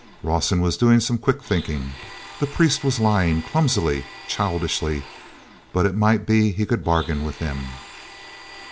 Rawson was doing some quick thinking. The priest was lying, clumsily, childishly, but it might be he could bargain with them.